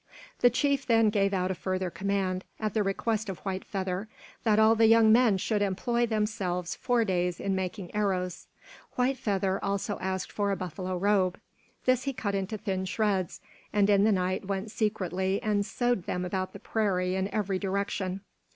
The chief then gave out a further command, at the request of White Feather, that all the young men should employ themselves four days in making arrows. White Feather also asked for a buffalo robe. This he cut into thin shreds, and in the night went secretly and sowed them about the prairie in every direction.